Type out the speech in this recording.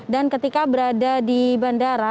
ketika berada di bandara